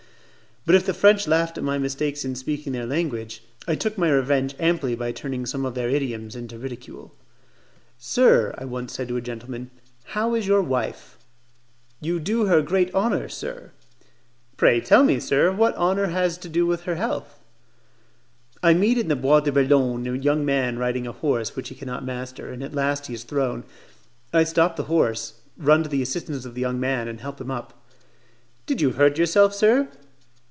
But if the French laughed at my mistakes in speaking their language, I took my revenge amply by turning some of their idioms into ridicule. "Sir," I once said to a gentleman, "how is your wife?" "You do her great honour, sir." "Pray tell me, sir, what her honour has to do with her health?" I meet in the Bois de Boulogne a young man riding a horse which he cannot master, and at last he is thrown. I stop the horse, run to the assistance of the young man and help him up. "Did you hurt yourself, sir?"